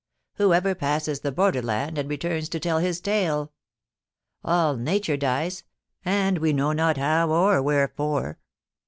Who ever passes the border land, and returns to tell his tale ? All Nature dies, and we know not how or wherefore.